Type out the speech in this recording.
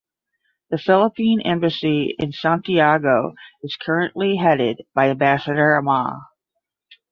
The Philippine Embassy in Santiago is currently headed by Ambassador Ma.